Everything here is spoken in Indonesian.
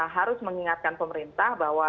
harus mengingatkan pemerintah bahwa